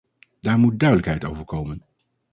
Daar moet duidelijkheid over komen.